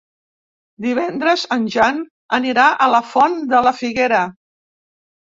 Divendres en Jan anirà a la Font de la Figuera.